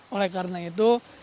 oleh karena itu